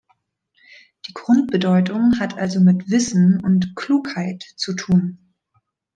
Die Grundbedeutung hat also mit "Wissen" und "Klugheit" zu tun.